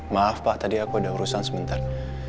maaf pak tadi aku ada urusan sebentar